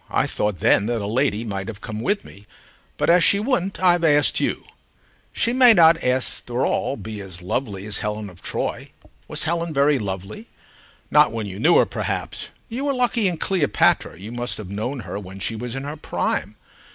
I thought then that a lady might have come with me, but as she wouldn't I've asked you. She may not after all be as lovely as Helen of Troy. Was Helen very lovely? Not when you knew her, perhaps. You were lucky in Cleopatra, you must have known her when she was in her prime.